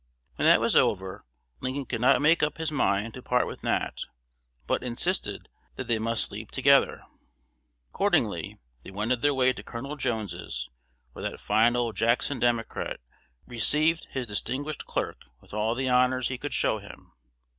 When that was over, Lincoln could not make up his mind to part with Nat, but insisted that they must sleep together. Accordingly, they wended their way to Col. Jones's, where that fine old Jackson Democrat received his distinguished "clerk" with all the honors he could show him.